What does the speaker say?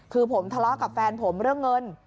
คือผมทะเลาะกับแฟนผมเรื่องเงิน